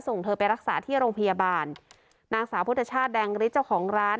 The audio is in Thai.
ส่งเธอไปรักษาที่โรงพยาบาลนางสาวพุทธชาติแดงฤทธิ์เจ้าของร้าน